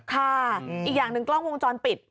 ค่ะอีกอย่างหนึ่งกล้องวงจรปิด